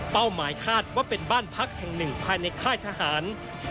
หมายคาดว่าเป็นบ้านพักแห่งหนึ่งภายในค่ายทหาร